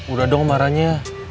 udah dong marahnya